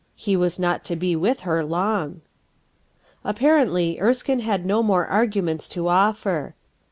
He was n * to be with her long Apparently Erskine had no more arguments to offer.